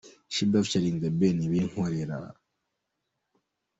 Sheebah Ft The Ben – Binkolera.